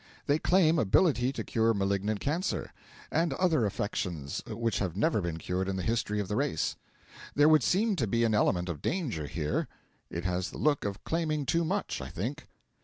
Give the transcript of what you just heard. They claim ability to cure malignant cancer, and other affections which have never been cured in the history of the race. There would seem to be an element of danger here. It has the look of claiming too much, I think.